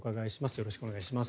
よろしくお願いします。